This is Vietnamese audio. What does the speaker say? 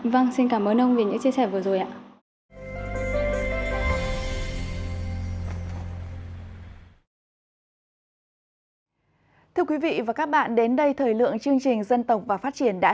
vâng xin cảm ơn ông vì những chia sẻ vừa rồi ạ